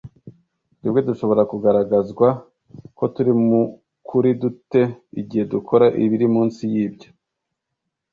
twebwe dushobora kugaragazwa ko turi mu kuri dute igihe dukora ibiri munsi y’ibyo?